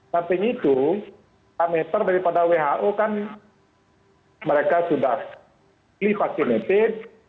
sampai itu parameter dari who kan mereka sudah fully vaccinated